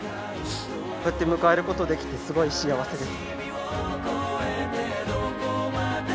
こうやって迎えることができてすごい幸せです。